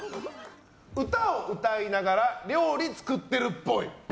歌を歌いながら料理作ってるっぽい。